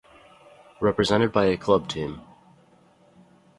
Represented by a club team.